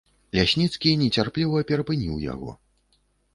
Лясніцкі нецярпліва перапыніў яго.